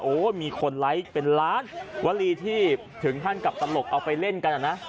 โอ้โหมีคนไลค์เป็นล้านวลีที่ถึงขั้นกับตลกเอาไปเล่นกันอ่ะนะ